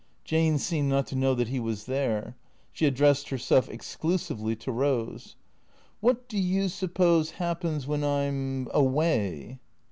Jane seemed not to know that he was there. She addressed herself exclusively to Eose. " What do you suppose happens when I 'm — awav